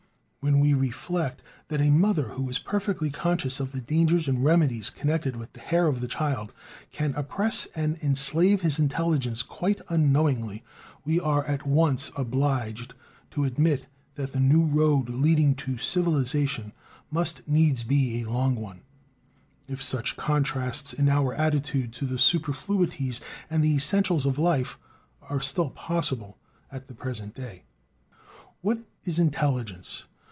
When we reflect that a mother who is perfectly conscious of the dangers and remedies connected with the hair of her child, can oppress and enslave his intelligence quite unknowingly, we are at once obliged to admit that the new road leading to civilization must needs be a long one, if such contrasts in our attitude to the superfluities and the essentials of life are still possible at the present day. What is intelligence?